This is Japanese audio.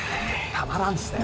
たまらんすね。